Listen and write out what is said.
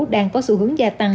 đang có sự hướng gia tăng